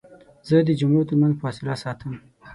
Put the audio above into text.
زه د جملو ترمنځ فاصله ساتم.